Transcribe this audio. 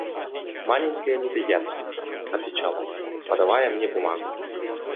«Маленькая неприятность, – отвечал он, подавая мне бумагу.